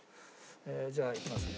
じゃあいきますね。